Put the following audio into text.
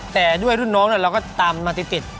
แต่ด้วยรุ่นน้องเราก็ตามมาติด